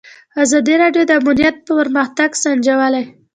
ازادي راډیو د امنیت پرمختګ سنجولی.